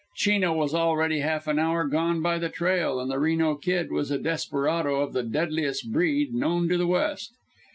Chino was already half an hour gone by the trail, and the Reno Kid was a desperado of the deadliest breed known to the West.